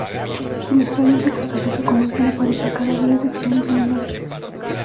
En las playas de Costa Rica comienzan a aparecer cadáveres de extraños animales.